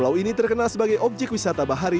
pulau ini terkenal sebagai objek wisata bahari